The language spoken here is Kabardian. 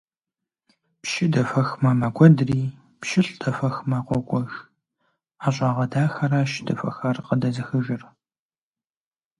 Пщы дэхуэхмэ, мэкӀуэдри, пщылӀ дэхуэхмэ, къокӀуэж: ӀэщӀагъэ дахэращ дэхуэхар къыдэзыхыжыр!